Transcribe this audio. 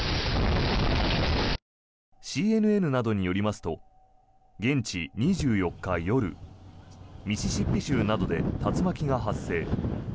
ＣＮＮなどによりますと現地２４日夜ミシシッピ州などで竜巻が発生。